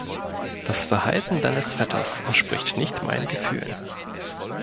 Das Verhalten deines Vetters entspricht nicht meinen Gefühlen.